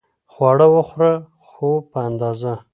خواږه وخوره، خو په اندازه